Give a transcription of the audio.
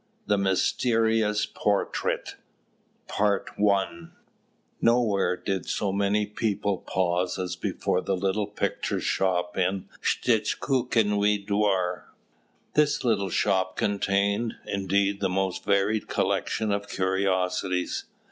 THE MYSTERIOUS PORTRAIT PART I Nowhere did so many people pause as before the little picture shop in the Shtchukinui Dvor. This little shop contained, indeed, the most varied collection of curiosities.